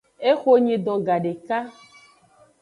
Ehonyidon gadeka.